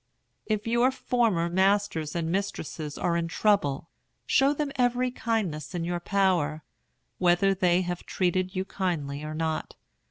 If your former masters and mistresses are in trouble, show them every kindness in your power, whether they have treated you kindly or not.